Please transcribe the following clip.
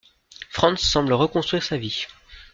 Frantz semble reconstruire sa vie.